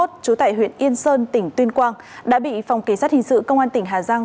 trú tại huyện yên sơn tỉnh tuyên quang đã bị phòng kỳ sát hình sự công an tỉnh hà giang